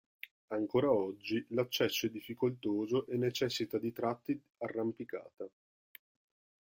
Ancora oggi l'accesso è difficoltoso e necessita di tratti arrampicata.